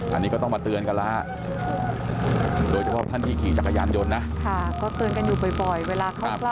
อันนี้ก็ต้องมาเตือนกันล่ะโดยเฉพาะท่านพี่ขี่จักรยานยนต์นะ